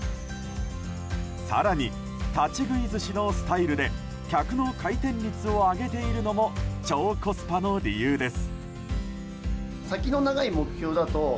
更に、立ち食い寿司のスタイルで客の回転率を上げているのも超コスパの理由です。